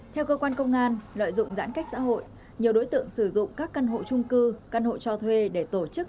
theo cơ quan công an lợi dụng giãn cách xã hội nhiều đối tượng sử dụng các căn hộ trung cư căn hộ cho thuê để tổ chức